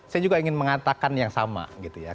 saya juga ingin mengatakan yang sama gitu ya